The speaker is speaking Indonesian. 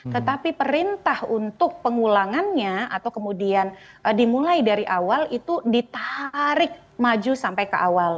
tetapi perintah untuk pengulangannya atau kemudian dimulai dari awal itu ditarik maju sampai ke awal